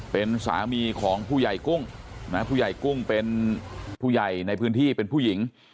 เป็นสามีของผู้ใหญ่กุ้งนะผู้ใหญ่กุ้งเป็นผู้ใหญ่ในพื้นที่เป็นผู้หญิง